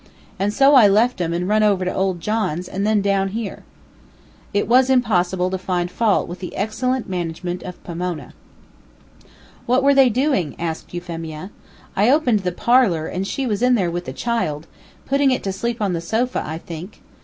And so I left 'em and run over to old John's, and then down here." It was impossible to find fault with the excellent management of Pomona. "What were they doing?" asked Euphemia. "I opened the parlor, and she was in there with the child, putting it to sleep on the sofa, I think.